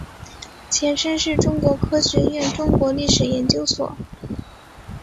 前身是中国科学院中国历史研究所。